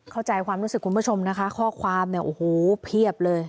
เข้าใจความรู้สึกคุณผู้ชมนะคะข้อความเนี่ยโอ้โหเพียบเลย